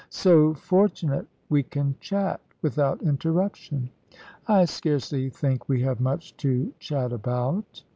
"So fortunate. We can chat without interruption." "I scarcely think we have much to chat about."